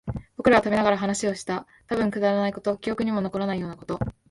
僕らは食べながら話をした。たぶんくだらないこと、記憶にも残らないようなこと。